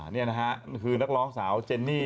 นี่นะฮะคือนักร้องสาวเจนนี่